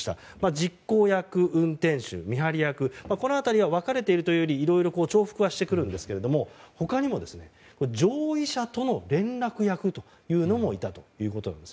実行役、運転手、見張り役この辺りは分かれているというよりいろいろ重複しますが他にも上位者との連絡役というのもいたということです。